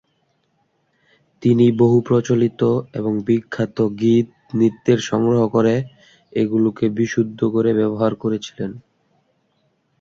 তিনি বহু প্রচলিত এবং বিখ্যাত গীত-নৃত্যের সংগ্রহ করে এগুলোকে বিশুদ্ধ করে ব্যবহার করেছিলেন।